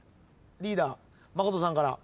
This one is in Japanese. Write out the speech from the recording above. リーダー真琴さんから。